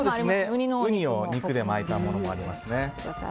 ウニを肉で巻いたものもありますね。